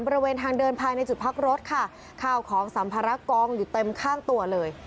บริเวณทางเดินภายในจุดพักรถค่ะข้าวของสัมภาระกองอยู่เต็มข้างตัวเลย